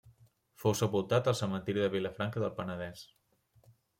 Fou sepultat al Cementiri de Vilafranca del Penedès.